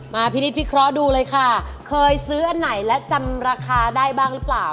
พินิศพิเคราะห์ดูเลยค่ะเคยซื้ออันไหนและจำราคาได้บ้างหรือเปล่า